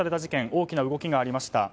大きな動きがありました。